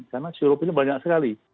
karena sirupnya banyak sekali